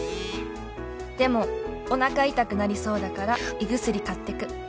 「でもおなか痛くなりそうだから胃薬買ってく」